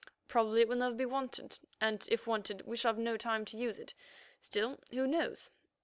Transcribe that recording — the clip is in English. Probably it will never be wanted, and if wanted we shall have no time to use it; still, who knows?